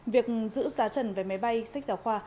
việc giữ giá trần về máy bay sách giáo khoa